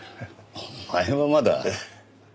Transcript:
お前はまだ。